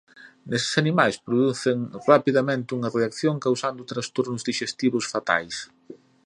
Neses animais producen rapidamente unha reacción causando trastornos dixestivos fatais.